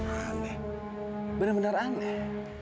aneh benar benar aneh